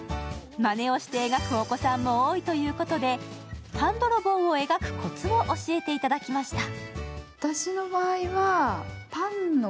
まねをして描くお子さんも多いということでパンどろぼうを描くコツを教えていただきました。